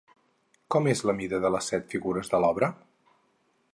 Com és la mida de les set figures de l'obra?